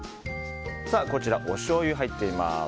こちらおしょうゆが入っています。